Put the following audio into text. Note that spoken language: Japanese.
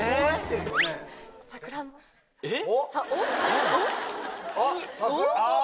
えっ？